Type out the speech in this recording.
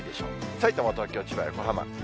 さいたま、東京、千葉、横浜。